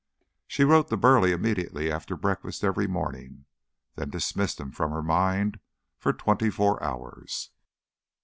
She wrote to Burleigh immediately after breakfast every morning, then dismissed him from her mind for twenty four hours.